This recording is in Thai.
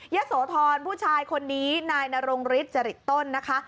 ยะโสธรผู้ชายคนนี้นายนรงฤทธิจริตต้นนะคะ